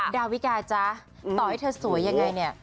ดาวิกาจ๊ะต่อให้เธอสวยยังไงเนี่ย